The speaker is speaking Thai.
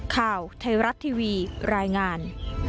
ข่าวไทยรัฐทีวีรายงาน